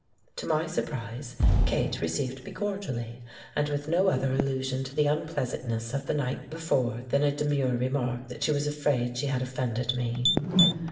To my surprise, Kate received me cordially, and with no other allusion to the unpleasantness of the night before than a demure remark that she was afraid she had offended me.